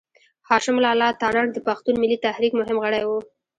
هاشم لالا تارڼ د پښتون ملي تحريک مهم غړی و.